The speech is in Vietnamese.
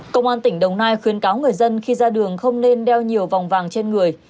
công an tỉnh đồng nai khuyến cáo người dân khi ra đường không nên đeo nhiều vòng vàng trên người